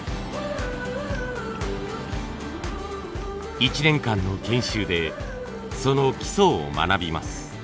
１年間の研修でその基礎を学びます。